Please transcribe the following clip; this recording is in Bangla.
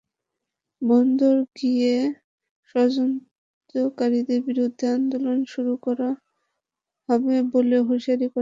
বন্দর দিয়ে ষড়যন্ত্রকারীদের বিরুদ্ধে আন্দোলন শুরু করা হবে বলেও হুঁশিয়ার করেন তিনি।